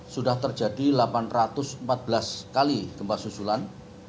sudah terjadi delapan ratus empat belas kali gempa susulan